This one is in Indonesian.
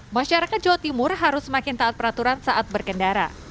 masyarakat jawa timur harus semakin taat peraturan saat berkendara